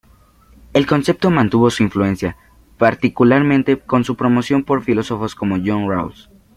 El concepto mantuvo su influencia, particularmente con su promoción por filósofos como John Rawls.